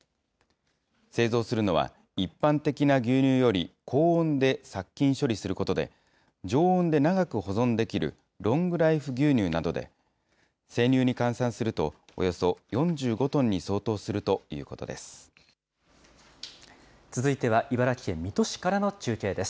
製造するのは、一般的な牛乳より高温で殺菌処理することで、常温で長く保存できるロングライフ牛乳などで、生乳に換算するとおよそ４５トンに相当するということです。